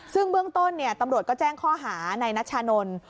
ซึ่งเบื้องต้นตำรวจก็แจ้งข้อหาในนัชชานนท์